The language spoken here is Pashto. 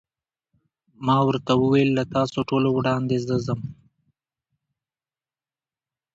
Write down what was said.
ما ورته وویل: له تاسو ټولو وړاندې زه ځم.